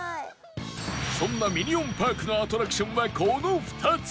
そんなミニオン・パークのアトラクションはこの２つ